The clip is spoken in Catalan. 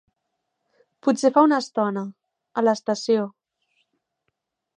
Potser fa una estona, a l'estació.